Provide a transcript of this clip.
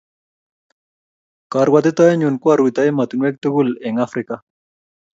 Karwotitoenyu ko aruto emotinweek tugul eng Africa.